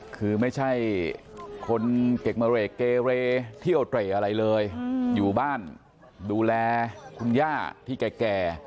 คือไม่ใช่คนเกะมะเรกเกเรเที่ยวเตร่อะไรเลยอยู่บ้านดูแลคุณย่าที่แก่